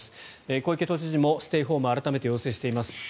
小池都知事もステイホームを改めて要請しています。